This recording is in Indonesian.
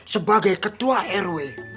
sebagai ketua rw